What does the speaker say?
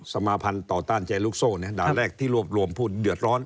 สมาภัณฑ์ต่อต้านใจลูกโซงด่านแรกที่รวมผลเดือดร้อน